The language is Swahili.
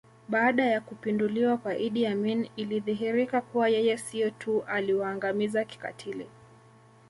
Baada ya kupinduliwa kwa Idi Amin ilidhihirika kuwa yeye sio tu aliwaangamiza kikatili